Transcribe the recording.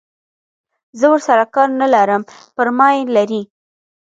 زه ورسره کار نه لرم پر ما یې لري.